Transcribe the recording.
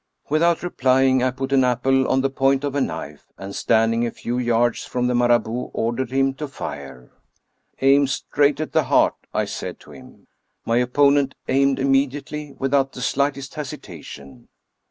Without replying, I put an apple on the point of a knife, and, standing a few yards from the Marabout, ordered him to fire. " Aim straight at the heart," I said to him. My opponent aimed immediately, without the slightest hesitation.